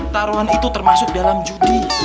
taruhan itu termasuk dalam judi